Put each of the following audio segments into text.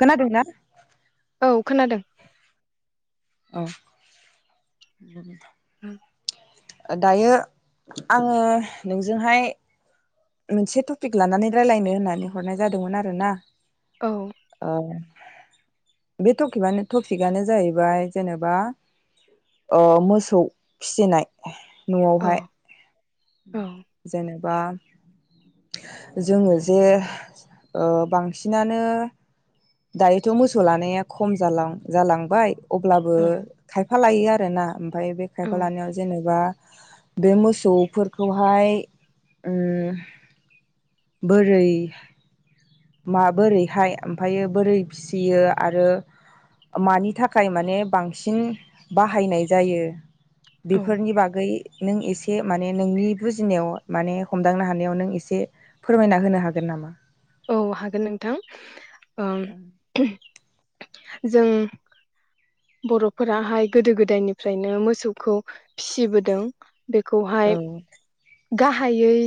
खोनादोंना औ खोनादों। औ होम दायो आङो नोंजोंहाय मोनसे टपिक लानानै राय्लायनो होननानै हरनाय जादोंमोन आरो ना। औ औ बे टखिबानो टपिकआनो जाहैबाय जेनेबा ओ मोसौ फिसिनाय औ न'आवहाय ओम औ जेनेबा जोङो जे ओ बांसिनानो दायोथ' मोसौ लानाया खम जालां-जालांबाय अब्लाबो औ खायफा लायो आ रोना ओमफ्राय बे औ खायफ लानायाव जेनेबा बे मोसौफोर खौहाय ओम बोरै माबोरैहाय ओमफ्रायो बोरै फिसियो आरो मानि थाखाय माने बांसिन बाहायनाय जायो। औ बेफोरनि बागै नों एसे माने नोंनि बुजिनायाव माने हमदांनो हानायाव नों एसे फोरमायना होनो हागोन नामा? औ हागोन नोंथां। आं जों बर'फोराहाय गोदो गोदायनिफ्रायनो मोसौखौ फिबोदों औ बेखौहाय गाहा हायै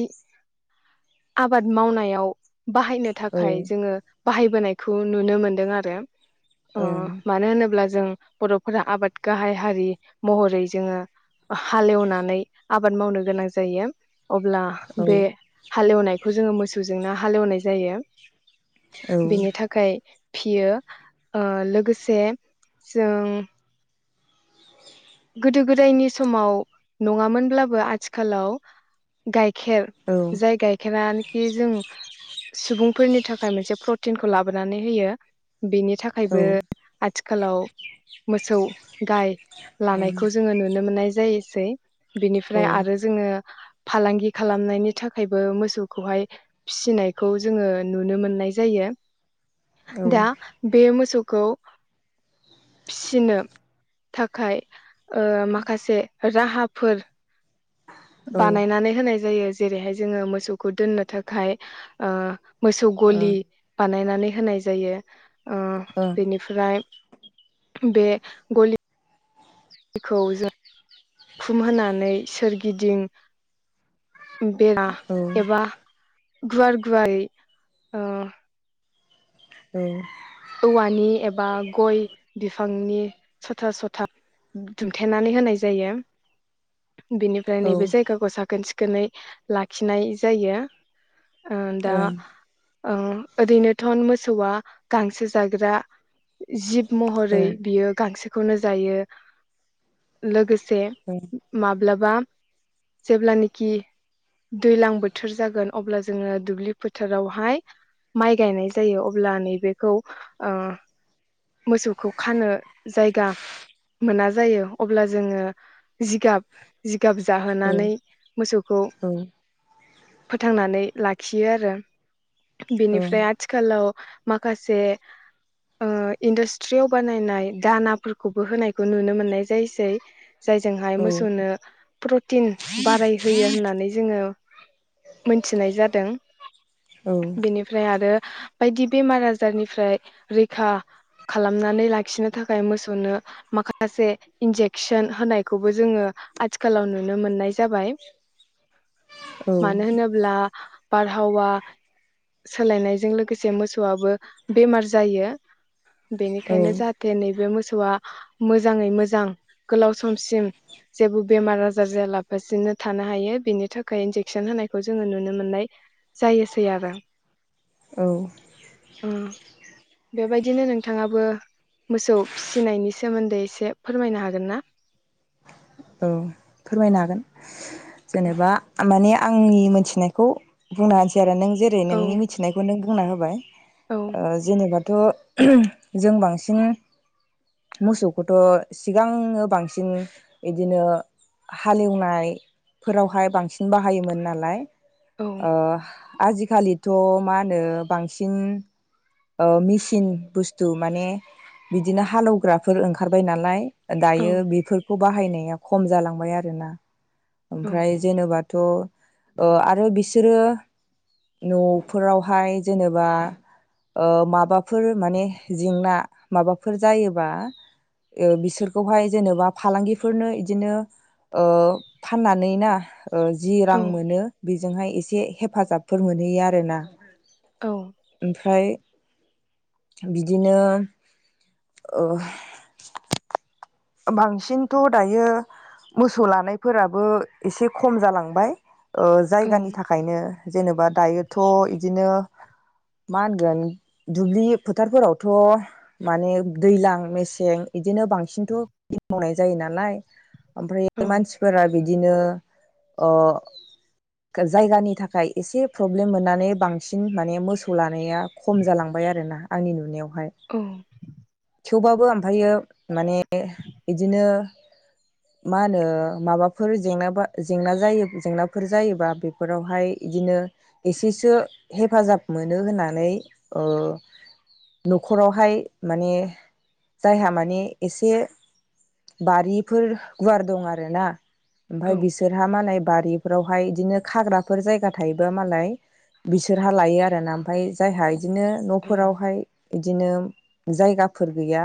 आबाद मावनायाव बाहायनो औ थाखाय जोङो बाहायबोनायखौ नुनो मोन्दों आरो अ ओं मानो होनोब्ला जों बर'फोरा आबाद गाहाय हारि महरै जोङो हालेवनानै आबाद मावनो गोनां जायो। अब्ला औ बे हालेवनायखौ जोङो मोसौजोंनो हालेवनाय जायो। बेनि औ थाखाय [unintelligible] लोगोसे जों। गोदो गोदायनि समाव नङामोनब्लाबो आथिखालाव गाइ- -खेर औ जाय गाइखेरानोखि जों सुबुंफोरनि थाखाय मोनसे प्रटिनखौ लाबोनानै होयो। बेनि औ थाखायबो ओं आथि- -खालाव मोसौ गाय थानायखौ जोङो नुनो मोननाय- जायोसै। बिनिफ्राय आरो औ जोङो फालांगि खालामनायनि थाखायबो मोसौखौहाय फिसिनायखौ जोङो नुनो मोननाय जायो। औ दा बे मोसौ- खौ फिसिनो थाखाय माखासे राहाफोर औ ओं बानायनानै होनाय जायो। जेरैहाय जोङो मोसौखौ दोननो थाखाय ओ मोसौ गलि बानायनानै। होनाय जायो। ओ ओं बेनिफ्राय। बे गलि। बेखौ जों। खुमहोनानै सोरगिदिं। [unintelligible] एबा गुवार गुवारै अ औ औवानि एबा गय बिफांनि सथा सथा दुमथेनानै होनाय जायो। बिनिफ्राय नैबे जायगाखौ साखोन सि खोनै लाखिनाय जायो। ओं दा ओ ओरैनोथ' मोसौआ गांसो जाग्रा जिब औ महरै बियो गांसो खौनो जायो लोगो- से माब- माब्लाबा जेब्लानखि दैज्लां बोथोर जागोन अब्ला जोङो दुब्लि फोथारावहाय माइ गायनाय जायो अब्ला नैबे खौ ओ मोसौखौ खानो जायगा मोना जायो अब्ला जोङो जिगाब गाब औ ओं जाहोनानै ओं मोसौखौ ओं फोथांनानै लाखियो आरो औ ओं बेनिफ्राय आथिखालाव माखासे ओ इन्डास्ट्रियाव बानायनाय दानाफोरखौबो होनायखौ नुनो मोननाय जायसै जायजोंहाय मोसौनो प्रटिन बारायहोयो होननानै जोङो मोनथिनाय जादों औ बेनिफ्राय आरो बायदि बेमारा जारनिफ्राय रैखा खालामनानै लाखिनो थाखाय मोसौनो माखासे इन्जेकसन होनायखौबो जोङो आथिखालाव नुनो मोननाय जाबाय औ मानो होनोब्ला बारहावा सोलायनायजों लोगोसे मोसौआबो बेमार जायो। औ बेनिखायनो औ जाहाथे नैबे मोसौ आ मोजाङै मोजां गोलाव समसिम जेबो बेमार आजार जायालाफसिनो थानो हायो बेनि थाखाय इन्जेकसन होनायखौ जोङो नुनो मोननाय जायोसै आरो। औ बेबायदिनो नोंथाङाबो मोसौ फिसिनायनि सोमोन्दै एसे फोरमायनो हागोन ना? औ फोरमायनो हागोन। जेनेबा माने आंनि मोनथिनायखौ बुंनो हानोसै आरो नों जेरै औ नोंनि मिथिनायखौ नों बुंना होबाय औ ओ जेनेबा थ' जों बांसिन मोसौखौथ सिगांनो बांसिन बिदिनो हालेवनायफोरावहाय बांसिन बाहायोमोन नालाय औ ओ आजिखालिथ' मा होनो बांसिन ओ मेसिन बुस्थु माने बिदिनो हालौवग्राफोर ओंखारबाय नालाय औ दायो बेफोर खौ बाहायनाया खम जालांबाय आरोना। औ ओमफ्राय जेनबा थ'ओ आरो बिसोरो न'फोरावहाय जेनेबा ओ माबाफोर माने जेंना माबाफोर जायोबा ओ बिसोरखौहाय जेनेबा फालांगिफोरनो बिदिनो ओ फाननानै ना ओ जि औ रां मोनो बि बेजोंहाय एसे हेफाजाबफोर मोनहैयो आरोना। औ ओमफ्राय बिदिनो ओ बांसिनथ' दायो मोसौ लानायफोराबो एसे खम जालांबाय ओ औ जायगानि थाखायनो जेनेबा दायोथ' बिदिनो मा होनगोन दुब्लि फोथारफोरावथ' माने दैज्लां मेसें बिदिनो बांसिनथ' मावनाय जायो नालाय ओमफ्राय मानसिफोरा बिदिनो अह जायगानि थाखाय एसे प्रब्लेम मोननानै बांसिन माने मोसौ लानाया खम जालांबाय आरोना आंनि नुनायाव। औ थेवबाबो ओमफ्रायो माने ने बिदिनो मा होनो माबाफोर जेंना जे जेंनाफोर जायोबा बेफोरावहाय बिदिनो एसेसो हेफाजाब मोनो होननानै ओ न'खरावहाय माने जायहा माने एसे बारिफोर गुवार दं आरो ना ओमफ्राय बिसोरहा मालाय बारि फोरावहाय बिदिनो खाग्राफोर जायगा थायोबा मालाय बिसोरहा लायो आरो ना ओमफ्राय जायहा बिदिनो न'फोरावहाय बिदि बिदिनो जायगाफोर गैया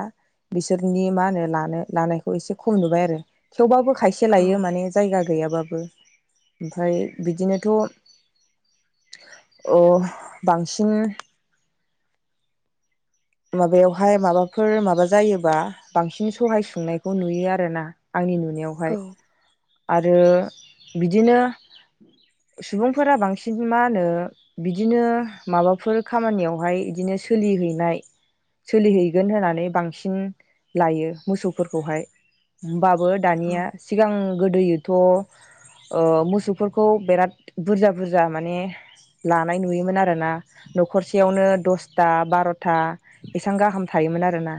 बिसोर नि मा होनो लानो लानायखौ एसे खम नुबाय आरो थेवबाबो खायसे लायो माने जायगा गैयाबाबो ओमफ्राय बिदिनोथ' अ बांसिन माबायावहाय माबाफोर माबा जायोबा बांसिन सहाय सुंनायखौ नुयो आरोना आंनि औ नुनायावहाय आरो आरो बिदिनो सुबुंफोरा बांसिन मा होनो बिदिनो माबाफोर खामानियावहाय बिदिनो सोलिहैनाय सोलिहैगोन होननानै बांसिन लायो मोसौफोरखौहाय होनबा बो दानिया सिगां गोदो थ' ओ मोसौफोरखौ बिराद बुरजा बुरजा माने लानाय नुयोमोन आरोना न'खरसेयावनो दसथा बार'था एसां गाहाम थायोमोन आरोना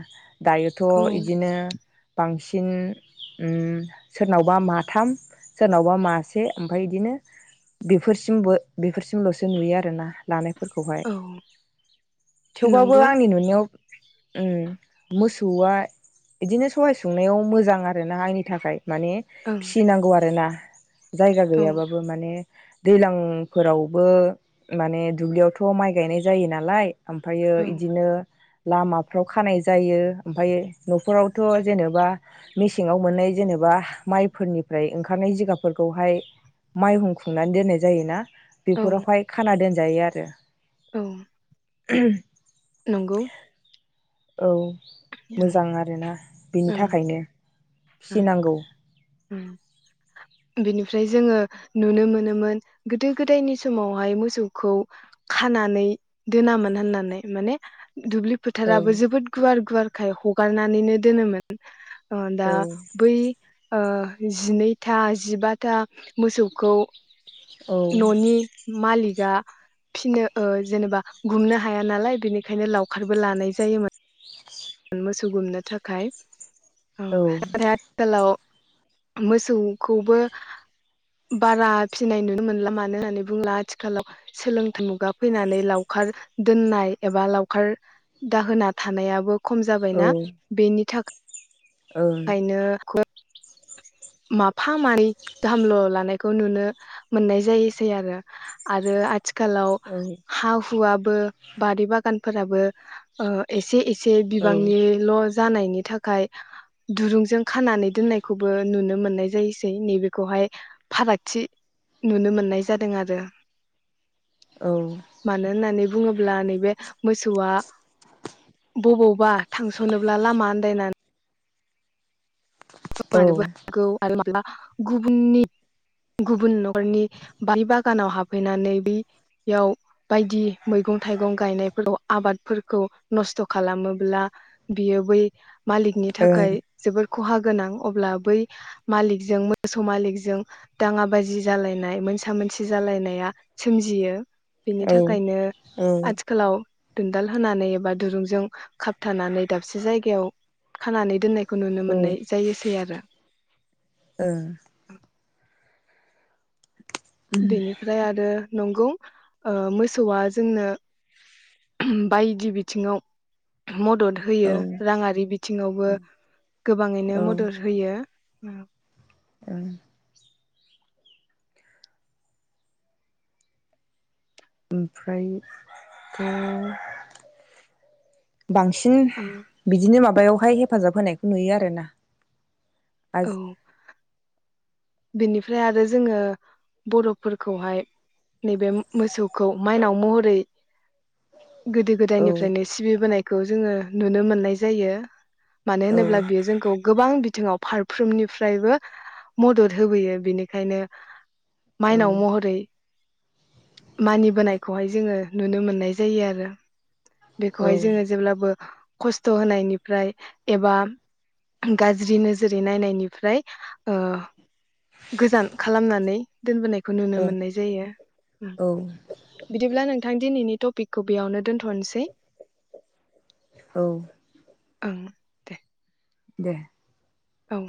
दायोथ' औ इदिनो बांसिन थिन उमसोरनावबा माथाम सोरनावबा मासे ओमफ्राय इदिनो बेफोरसिमबो बेफोरसिमलसो नुयो आर ना लानाय फोरखौ हाय औ थेवबाबो नंगौ आ नो उम मोसौआ बिदिनो सहाइ संनायाव मोजां आरो आरोना आंनि थाखाय माने ओं फिसिनांगौ आरो ना जायगा औ गैयाबाबो माने दैलांफोरावबो माने दुब्लियावथ माइ गायनाय जायो नालाय ओमफ्रायो इदि लामाफ्राव खानाय जायो ओमफाय न फोरावथ' जेनेबा मेसेंङाव मोननाय जेनेबा माइफोरनिफ्राय ओंखारनाय जिगाबफोरखौहाय माइ हुंख्रंनानै दोननाय जायोना औ बेफोरावहाय खाना दोन जायो आरो औ। [inaudible] नंगौ औ। मोजां आरोना बिनि थाखायनो उम फिसिनांगौ उम बिनिफ्राय जोंङो नुनो मोनोमोन गोदो गोदायनि समावहाय मोसौखौ खानानै दोनामोन होननानै माने दुब्लि फोथाराबो ओमफ्रायथ' जोबोद गुवार गुवार खाय हगारनानैनो दोनोमोन अ दा बै ओ जिनै था जिबाथा मोसौखौ ननि मालिगा फिनो ओ जेनेबा गुमनो हाया नालाय बेनिखायनो लावखारबो लानाय जायोमोन। उम मोसौ गुमनो थाखाय, ओ आरो आथिखालाव मोसौखौबो बारा फिनाय नुनो मोनला मानो होननानै बुंब्ला आथिखालाव सोलोंथाइ मुगा फैनानै लावखार दोननाय एबा लावखार दाहोना थानायाबो खम जाबायना बेनि थाखा ओंखायनो [unintelligible] माफा माने गाहामल लानायखौ नुनो मोननाय जायोसै आरो आरो आथि खालाव हा हुवा बो बारि बागानफोराबो ओ एसे एसे से बिबांनि ल' जानायनि थाखाय दुरुंजों खानानै दोननायखौबो नुनो मोननाय जायोसै नैबेखौहाय फारागथि नुनो मोननाय जादों आरो मानो होननानै बुङोब्ला नैबे मोसौआ बबावबा थांसनोब्ला लामा आन्दायनानै गोमानोबो हागौ [unintelligible] गुबुननि गुबुन नखरनि बारि बागानाव हाबहैनानै बेयाव बायदि मैगं थाइगं गायनायखौल आबादफोरखौ नस्थ' खालामोब्ला बियो बै मालिकनि थाखाय जबोर खहा गोनां अब्ला बै मालिकजों मोसौ मालिकजों दाङ बाजि जालायनाय मोनसा मोनसि जालायनाया सोमजियो। बेनि थाखायनो आथिखालाव दुनदाल होनानै एबा दुरुंजों खाबथानानै दाबसे जायगायाव खानानै दोननाय खौ नुनो मोन्नाय जायोसै आरो बेनिफ्राय आरो नंगौ ओ मोसौआ जोंनो बायदि बिथिङाव मदद होयो राङारि बिथिङावबो गोबाङैनो मदद होयो उम उम ओमफ्राय थ बांसिन बिदिनो मा यावहाय हेफाजाब होनायखौ नुयो आरो ना। औ बेनिफ्राय आरो जोङो बर'फोरखौहाय नैबे मोसौखौ माइनाव महरै गोदो औ गोदायनिफ्रायनो सिबिबोनाय खौ जोङो नुनो मोननाय जायो मानो होनोब्ला बियो औ जोंखौ गोबां बिथिङाव फारफ्रोमनिफ्रायबो मदद होबोयो बेनिखायनो माइनाव महरै मानिबोनायखौहाय जोङो नुनो मोननाय जायो आरो बेखौहाय जोङो औ जेब्लाबो खस्थ' होनायनिफ्राय एबा गाज्रि नोजोरै नायनायनिफ्राय ओ गोजान खालामनानै दोनबोनायखौ नुनो मोननाय जायो औ औ बिदिब्ला नोंथां दिनैनि पिकखौ बेयावनो दोनथ'नोसै औ ओं दे दे औ